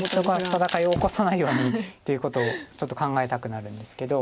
戦いを起こさないようにということをちょっと考えたくなるんですけど。